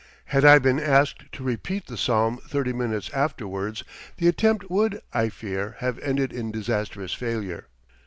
Had I been asked to repeat the psalm thirty minutes afterwards the attempt would, I fear, have ended in disastrous failure.